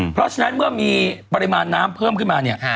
เพราะฉะนั้นเมื่อมีปริมาณน้ำเพิ่มขึ้นมาเนี่ย